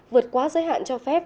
vượt quá giới hạn cho phép